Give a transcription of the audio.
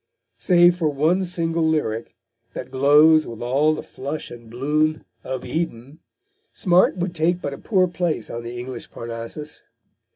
Save for one single lyric, that glows with all the flush and bloom of Eden, Smart would take but a poor place on the English Parnassus.